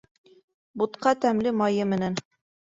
Бутҡа тәмле майы менән.